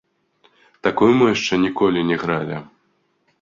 Такую мы яшчэ ніколі не гралі.